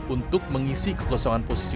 untuk mengisi kekosongan posisi